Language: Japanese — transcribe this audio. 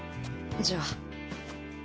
じゃあ。